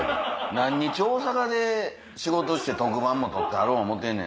何日大阪で仕事して特番も撮ってる思てんねんな。